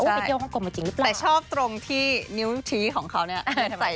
โอ้เป็นเกี่ยวกับโปรโมทจริงหรือเปล่าใช่แต่ชอบตรงที่นิ้วชี้ของเขาเนี่ย